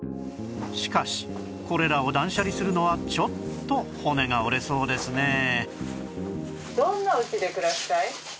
しかしこれらを断捨離するのはちょっと骨が折れそうですね